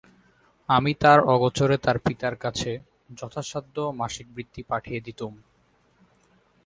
আমি তাঁর অগোচরে তাঁর পিতার কাছে যথাসাধ্য মাসিক বৃত্তি পাঠিয়ে দিতুম।